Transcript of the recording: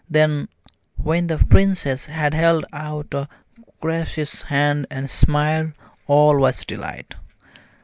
Then, when the Princess had held out a gracious hand and smiled, all was delight!